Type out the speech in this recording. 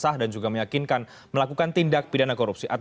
saya juga meyakinkan melakukan tindak pidana korupsi